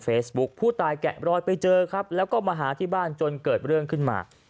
ผู้ตายแกะรอยไปเจอครับแล้วก็มาหาที่บ้านจนเกิดเรื่องขึ้นมา